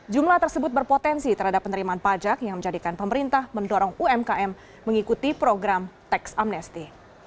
jumlah tersebut berpotensi terhadap penerimaan pajak yang menjadikan pemerintah mendorong umkm mengikuti program teks amnesti